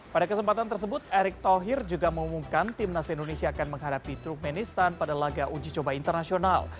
pada kesempatan tersebut erick thohir juga mengumumkan timnas indonesia akan menghadapi trukmenistan pada laga uji coba internasional